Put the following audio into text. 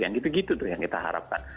yang gitu gitu yang kita harapkan